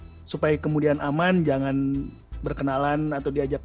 butuh kan supaya kemudian aman jangan berkenalan atau diajak